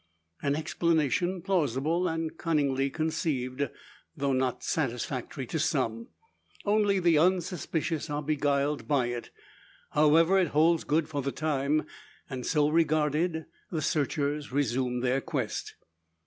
An explanation plausible, and cunningly conceived; though not satisfactory to some. Only the unsuspicious are beguiled by it. However, it holds good for the time; and, so regarded, the searchers resume their quest.